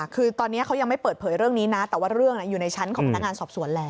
คือตอนนี้เขายังไม่เปิดเผยเรื่องนี้นะแต่ว่าเรื่องอยู่ในชั้นของพนักงานสอบสวนแล้ว